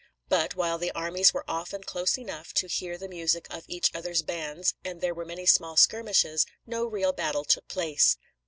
But while the armies were often close enough to hear the music of each other's bands, and there were many small skirmishes, no real battle took place.